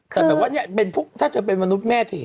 แต่แบบว่าเนี่ยถ้าเธอเป็นมนุษย์แม่ถี่